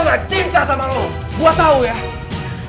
gue gak cinta sama lo gue tau ya